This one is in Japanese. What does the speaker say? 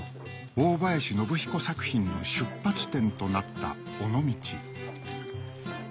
大林宣彦作品の出発点となった尾道